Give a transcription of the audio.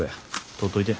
取っといて。